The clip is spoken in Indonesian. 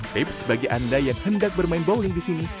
tips bagi anda yang hendak bermain bowling di sini